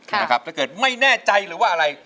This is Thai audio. ถ้าเกิดไม่แน่ใจหรือว่าอะไร